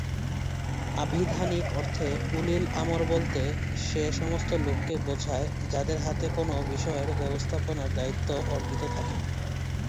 আভিধানিক অর্থে উলিল-আমর বলতে সে সমস্ত লোককে বোঝায় যাদের হাতে কোন বিষয়ের ব্যবস্থাপনার দায়িত্ব অর্পিত থাকে।